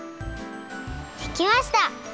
できました！